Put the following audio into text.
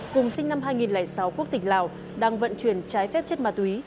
cùng sinh năm hai nghìn sáu quốc tịch lào đang vận chuyển trái phép chất ma túy